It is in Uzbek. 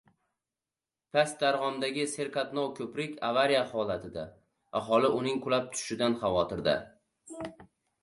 Pastdarg‘omdagi serqatnov ko‘prik avariya holatida. Aholi uning qulab tushishidan xavotirda